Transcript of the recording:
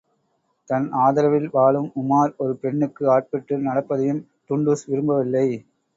தன் ஆதரவில் வாழும் உமார் ஒரு பெண்ணுக்கு ஆட்பட்டு நடப்பதையும் டுண்டுஷ் விரும்பவில்லை!